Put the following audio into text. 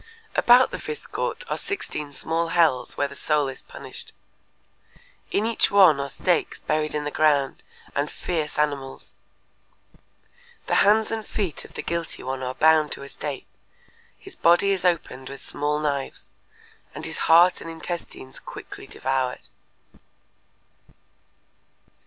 About the fifth court are sixteen small hells where the soul is punished. In each one are stakes buried in the ground and fierce animals. The hands and feet of the guilty one are bound to a stake, his body is opened with small knives, and his heart and intestines quickly devoured.